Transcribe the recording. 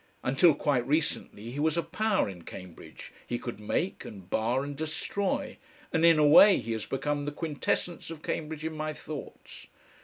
Until quite recently he was a power in Cambridge, he could make and bar and destroy, and in a way he has become the quintessence of Cambridge in my thoughts.